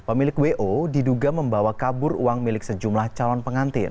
pemilik wo diduga membawa kabur uang milik sejumlah calon pengantin